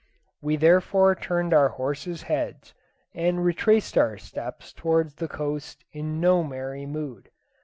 We therefore turned our horses' heads, and retraced our steps towards the coast in no merry mood.